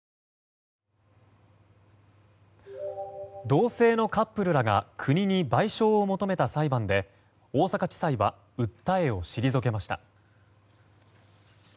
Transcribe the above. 同性のカップルらが国に賠償を求めた裁判で大阪地裁は、訴えを退けました。